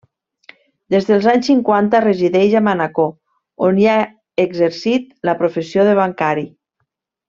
Des dels anys cinquanta resideix a Manacor on hi ha exercit la professió de bancari.